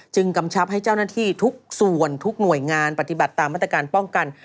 กำชับให้เจ้าหน้าที่ทุกส่วนทุกหน่วยงานปฏิบัติตามมาตรการป้องกัน